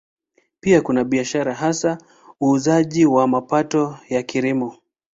Pia kuna biashara, hasa uuzaji wa mapato ya Kilimo.